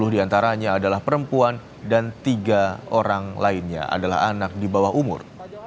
sepuluh diantaranya adalah perempuan dan tiga orang lainnya adalah anak di bawah umur